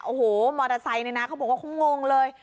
โอโหม็อเตอร์ไซส์นี่เขาบอกว่าว่าคงงงเลย